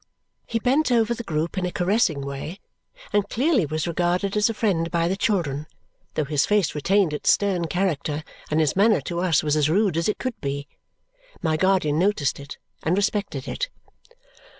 He bent over the group in a caressing way and clearly was regarded as a friend by the children, though his face retained its stern character and his manner to us was as rude as it could be. My guardian noticed it and respected it.